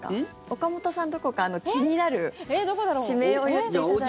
岡本さん、どこか気になる地名を言っていただいて。